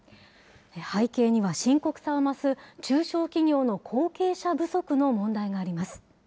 背景には深刻さを増す中小企業の後継者不足の問題があります。